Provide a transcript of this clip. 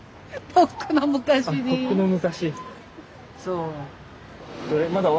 あっとっくの昔。